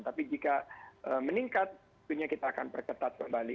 tapi jika meningkat kita akan berketat kembali